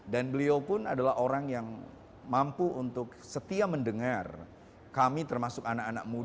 beliau pun adalah orang yang mampu untuk setia mendengar kami termasuk anak anak muda